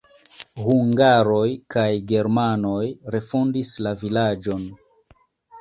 Hungaroj kaj germanoj refondis la vilaĝon.